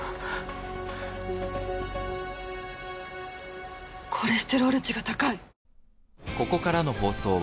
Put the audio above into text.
コレステロール値が高い。